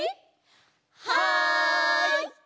はい！